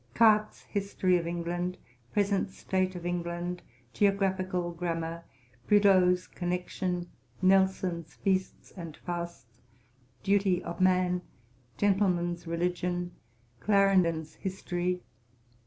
Carte's History of England. Present State of England. Geographical Grammar. Prideaux's Connection. Nelson's Feasts and Fasts. Duty of Man. Gentleman's Religion. Clarendon's History.